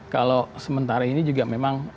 kalau sementara ini juga memang